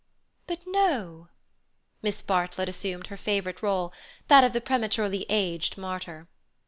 "But no—" Miss Bartlett assumed her favourite role, that of the prematurely aged martyr.